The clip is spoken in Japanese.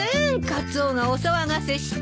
カツオがお騒がせして。